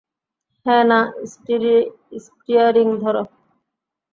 হা-না, steering ধর!